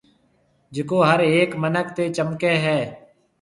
جڪو هر هيڪ منِک تي چمڪَي هيَ۔